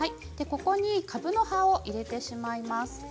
ここにかぶの葉を入れてしまいます。